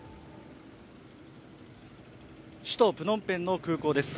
首都プノンペンの空港です。